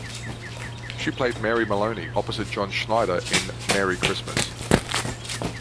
She played Mary Maloney opposite John Schneider in "Mary Christmas".